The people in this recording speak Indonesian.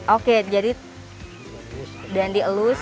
oke jadi dan dielus